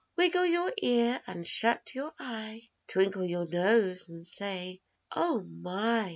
"Wiggle your ear and shut your eye, Twinkle your nose and say 'Oh my!'"